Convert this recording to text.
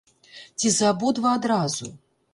Ці за абодва адразу?